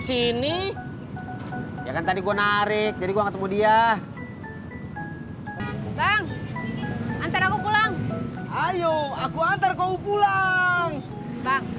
sini ya kan tadi gue narik jadi gua ketemu dia bang antara pulang ayo aku antar kau pulang tak